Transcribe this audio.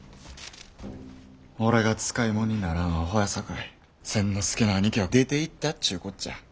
俺が使いもんにならんあほやさかい千之助のアニキは出ていったっちゅうこっちゃ。